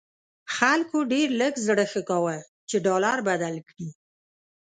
خلکو ډېر لږ زړه ښه کاوه چې ډالر بدل کړي.